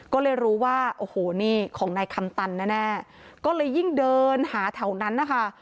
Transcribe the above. ก็เลยรู้ว่าโอ้โหนี่ของนายคำตันแน่ก็เลยยิ่งเดินหาแถวนั้นนะคะ